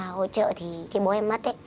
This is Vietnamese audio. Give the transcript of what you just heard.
hỗ trợ thì cái bố em mất